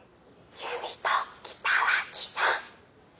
ゆみと北脇さん。